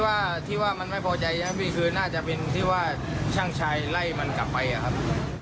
ว่าที่ว่ามันไม่พอใจนะพี่คือน่าจะเป็นที่ว่าช่างชายไล่มันกลับไปอะครับ